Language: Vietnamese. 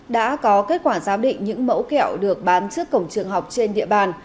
đã có kết quả giám định những mẫu kẹo được bán trước cổng trường học trên địa bàn